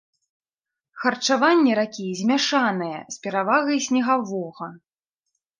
Харчаванне ракі змяшанае, з перавагай снегавога.